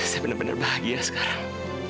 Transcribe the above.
saya benar benar bahagia sekarang